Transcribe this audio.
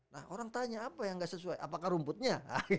nah orang tanya apa yang gak sesuai apakah rumputnya